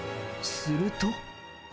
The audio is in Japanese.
すると。